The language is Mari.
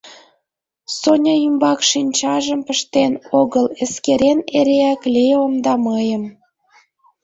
Соня ӱмбак шинчажым пыштен огыл, эскерен эреак Леом да мыйым.